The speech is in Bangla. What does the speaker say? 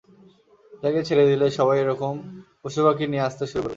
এটাকে ছেড়ে দিলে, সবাই এরকম পশুপাখি নিয়ে আসতে শুরু করবে।